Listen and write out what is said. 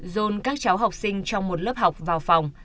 dồn các cháu học sinh trong một lớp học vào phòng